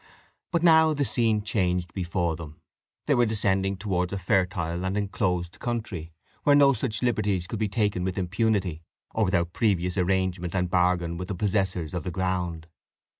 But now the scene changed before them; they were descending towards a fertile and inclosed country, where no such liberties could be taken with impunity, or without a previous arrangement and bargain with the possessors of the ground.